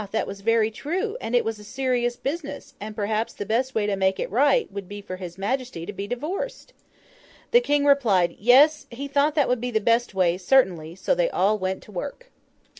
that was very true, and it was a serious business; and perhaps the best way to make it right, would be for his Majesty to be divorced! The King replied, Yes, he thought that would be the best way, certainly; so they all went to work.